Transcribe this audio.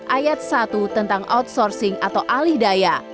ayat satu tentang outsourcing atau alih daya